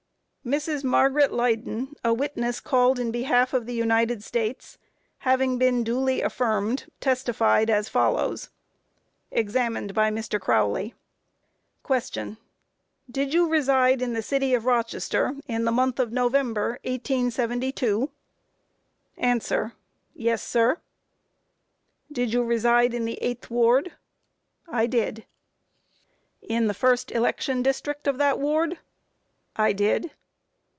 MRS. MARGARET LEYDEN, a witness called in behalf of the United States, having been duly affirmed, testified as follows: Examined by MR. CROWLEY: Q. Did you reside in the City of Rochester in the month of November, 1872? A. Yes, sir. Q. Did you reside in the 8th ward? A. I did. Q. In the first election district of that ward? A. I did.